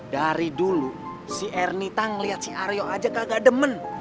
dari dulu si ernita melihat si aryo aja kagak demen